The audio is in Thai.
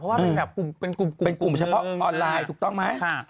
เพราะว่าเป็นกลุ่มเฉพาะออนไลน์ถูกต้องไหม